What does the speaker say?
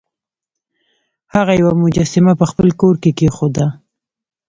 هغه یوه مجسمه په خپل کور کې کیښوده.